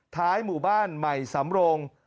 ท้ายหมู่บ้านใหม่สำโรง